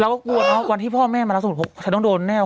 เราก็กลัวว่าวันที่พ่อแม่มาแล้วสมมติว่าฉันต้องโดนแน่ว